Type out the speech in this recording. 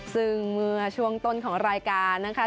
ซึ่งเมื่อช่วงต้นของรายการนะคะ